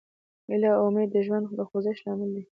هیله او امید د ژوند د خوځښت لامل دی.